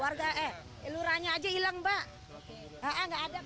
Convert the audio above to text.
warga eh lurahnya aja hilang mbak